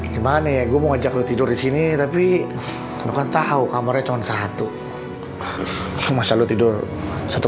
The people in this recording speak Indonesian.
gimana ya gue mau ngajak lo tidur di sini tapi bukan tahu kamarnya cuma satu masa lu tidur satu